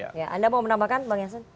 anda mau menambahkan bang yasin